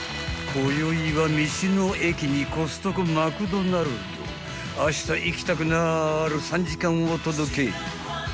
［こよいは道の駅にコストコマクドナルド］［あした行きたくなる３時間をお届け］